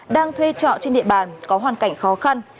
đang thuê trọ trên địa bàn có hoàn cảnh khó khăn